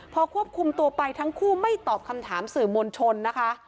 พอควบคุมตัวไปทั้งคู่ไม่ตอบคำถามสื่อมวลชนนะคะ